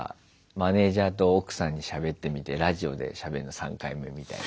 マネージャーと奥さんにしゃべってみてラジオでしゃべるの３回目みたいな。